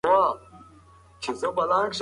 نا لیدلی خیر هم خیر دی.